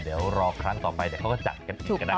เดี๋ยวรอครั้งต่อไปเดี๋ยวเขาก็จัดกันอีกนะครับ